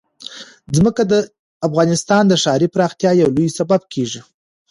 ځمکه د افغانستان د ښاري پراختیا یو لوی سبب کېږي.